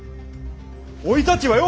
おいたちはよ！